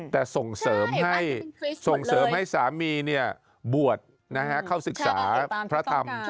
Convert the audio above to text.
แต่ส่งเสริมให้สามีบวชเข้าศึกษาพระธรรม